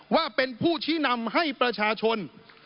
ว่าเป็นผู้ชี้นำให้ประชาชน